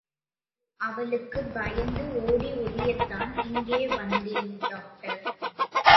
அவளுக்குப் பயந்து ஓடி ஒளியத்தான் இங்கே வந்தேன் டாக்டர்.